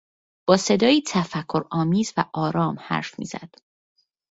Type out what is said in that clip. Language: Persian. با صدایی تفکر آمیز و آرام حرف می زد.